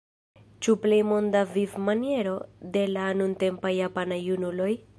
Ĉu la plej moda vivmaniero de la nuntempaj japanaj junuloj?